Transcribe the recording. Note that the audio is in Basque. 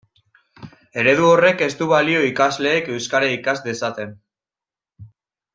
Eredu horrek ez du balio ikasleek euskara ikas dezaten.